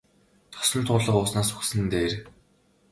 Тосон туулга ууснаас үхсэн нь дээр.